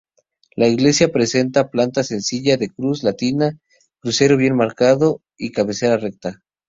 La iglesia presenta planta sencilla de cruz latina, crucero bien marcado y cabecera recta.